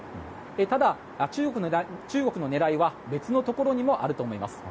ただ、中国の狙いは別のところにもあると思います。